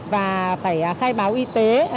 và phải khai báo y tế